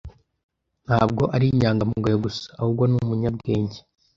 Ntabwo ari inyangamugayo gusa, ahubwo ni umunyabwenge.